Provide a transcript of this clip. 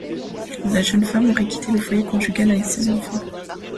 La jeune femme aurait quitté le foyer conjugal avec ses enfants.